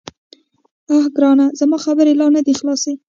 _اه ګرانه، زما خبرې لا نه دې خلاصي.